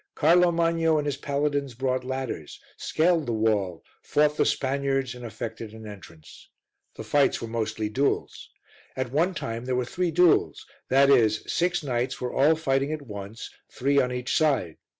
Carlo Magno and his paladins brought ladders, scaled the wall, fought the Spaniards and effected an entrance. The fights were mostly duels. At one time there were three duels; that is, six knights were all fighting at once, three on each side.